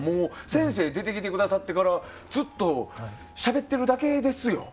先生、出てきてくださってからずっとしゃべってるだけですよ。